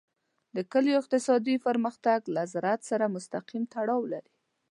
د کلیو اقتصادي پرمختګ له زراعت سره مستقیم تړاو لري.